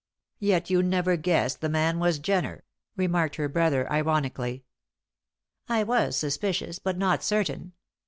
"Yet you never guessed the man was Jenner!" remarked her brother, ironically. "I was suspicious, but not certain.